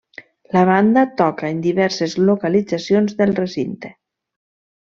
La banda toca en diverses localitzacions del recinte.